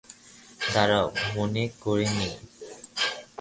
দাঁড়াও মনে করে নেই।